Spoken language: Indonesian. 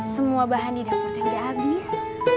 semua bahan di dapur tadi habis